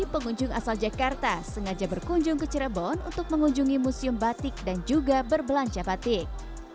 mereka juga mengunjungi musim batik dan juga berbelanja batik